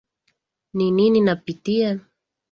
Ni Nini napitia